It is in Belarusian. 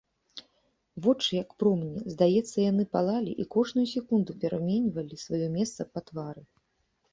Вочы, як промні, здаецца яны палалі і кожную секунду пераменьвалі сваё месца па твары.